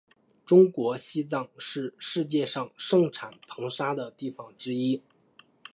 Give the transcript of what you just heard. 中国西藏是世界上盛产硼砂的地方之一。